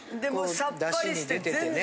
さっぱりして全然。